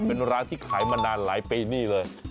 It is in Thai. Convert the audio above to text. เป็นร้านที่ขายมานานหลายปีนี่เลย